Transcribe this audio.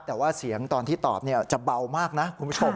แต่ว่าเสียงตอนที่ตอบจะเบามากนะคุณผู้ชม